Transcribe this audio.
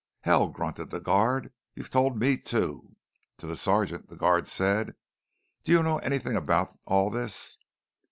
"Hell," grunted the guard. "You've told me, too." To the sergeant, the guard said: "Do you know anything about all this?"